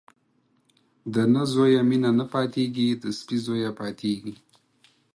د نه زويه مينه نه پاتېږي ، د سپي زويه پاتېږي.